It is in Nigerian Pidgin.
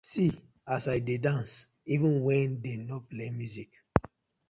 See as I dey dance even wen dem no play music.